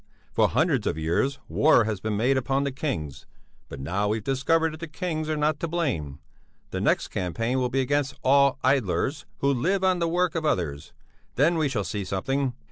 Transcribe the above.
"For hundreds of years war has been made upon the kings, but now we've discovered that the kings are not to blame. The next campaign will be against all idlers who live on the work of others; then we shall see something."